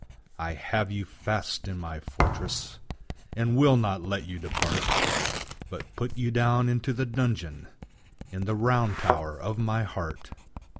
I have you fast in my fortress, And will not let you depart, But put you down into the dungeon In the round tower of my heart.